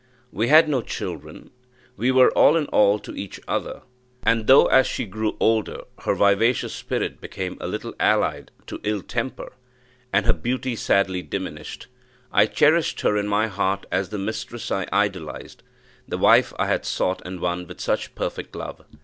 We had no children; we were all in all to each other; and though, as she grew older, her vivacious spirit became a little allied to ill temper, and her beauty sadly diminished, I cherished her in my heart as the mistress I idolized, the wife I had sought and won with such perfect love.